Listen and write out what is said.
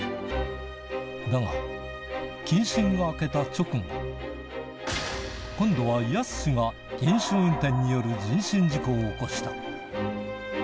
だが、謹慎が明けた直後。今度はやすしが飲酒運転による人身事故を起こした。